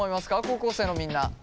高校生のみんな。